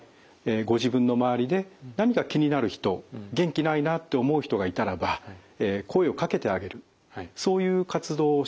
ご自分の周りで何か気になる人元気ないなって思う人がいたらば声をかけてあげるそういう活動をしていく。